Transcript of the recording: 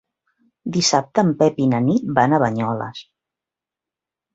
Dissabte en Pep i na Nit van a Banyoles.